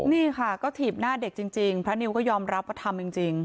นี่ค่ะก็ถีบหน้าเด็กจริงพระนิวก็ยอมรับว่าทำจริง